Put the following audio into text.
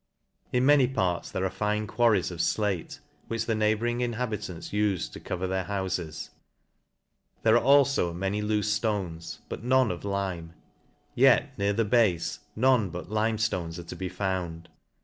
In many parts there are fine quarries of flare, which the neighbouring inhabitants ufe to cover their houfes ; there are alfo many loofe {tones, but none of lime; yet, near the bafe, none but lime Hones are to be found.